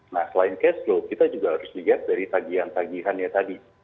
nah selain cash flow kita juga harus lihat dari tagihan tagihannya tadi